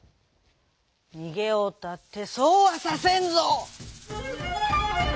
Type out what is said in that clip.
「にげようったってそうはさせんぞ」。